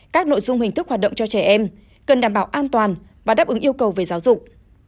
các nội dung hình thức hoạt động cho trẻ em cần đảm bảo an toàn và đáp ứng yêu cầu về giáo dục